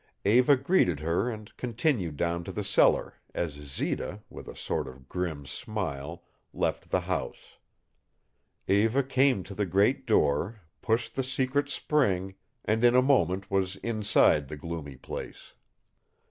Eva greeted her and continued down to the cellar, as Zita, with a sort of grim smile, left the house. Eva came to the great door, pushed the secret spring, and in a moment was inside the gloomy place.